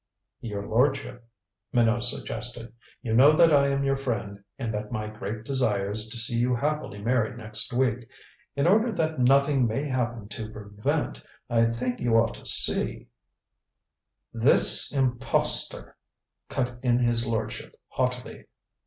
"Your lordship," Minot suggested, "you know that I am your friend and that my great desire is to see you happily married next week. In order that nothing may happen to prevent, I think you ought to see " "This impostor," cut in his lordship haughtily.